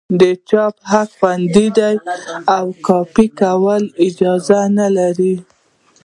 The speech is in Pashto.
د چاپ حقوق خوندي دي او کاپي کول یې جواز نه لري.